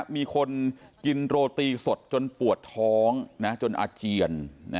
มีคนกินโรตีสดจนปวดท้องจนอาเจียน